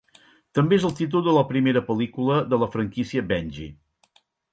També és el títol de la primera pel·lícula de la franquícia "Benji".